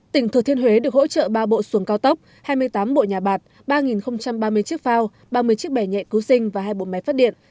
tỉnh thừa thiên huế được hỗ trợ ba bộ xuồng cao tốc hai mươi tám bộ nhà bạc ba ba mươi chiếc phao ba mươi chiếc bẻ nhẹ cứu sinh và hai bộ máy phát điện